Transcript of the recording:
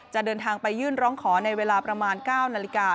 เดินทางไปยื่นร้องขอในเวลาประมาณ๙นาฬิกา